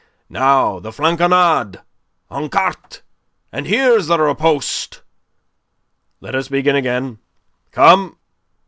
Now the flanconnade en carte.... And here is the riposte.... Let us begin again. Come!